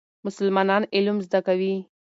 مسلمانان علم زده کوي.